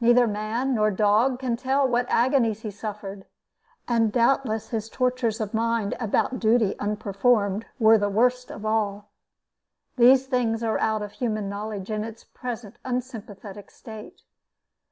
Neither man nor dog can tell what agonies he suffered; and doubtless his tortures of mind about duty unperformed were the worst of all. These things are out of human knowledge in its present unsympathetic state.